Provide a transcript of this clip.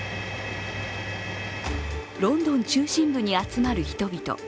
ロンドン中心部に集まる人々。